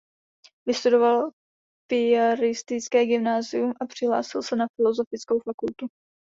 Vystudoval piaristické gymnázium a přihlásil se na filosofickou fakultu.